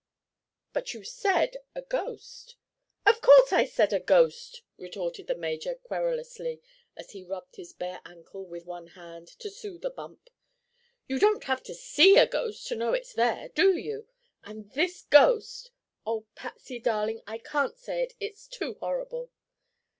"But you said a ghost." "Of course I said a ghost," retorted the major, querulously, as he rubbed his bare ankle with one hand to soothe a bump. "You don't have to see a ghost to know it's there, do you? And this ghost—Oh, Patsy, darling, I can't say it!—it's too horrible."